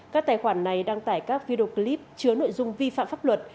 các tài khoản này đăng tải các video clip chứa nội dung vi phạm pháp luật